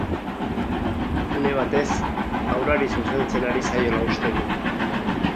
Une batez, haurrari zuzentzen ari zaiola uste du.